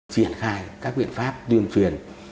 triển khai các biện pháp tuyên truyền